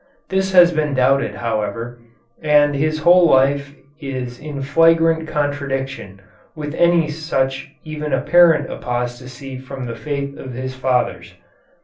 This has been doubted, however, and his whole life is in flagrant contradiction with any such even apparent apostasy from the faith of his fathers.